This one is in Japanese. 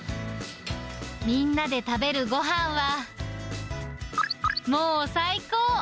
みんなで食べるごはんは、もう最高！